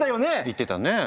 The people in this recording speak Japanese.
言ってたね。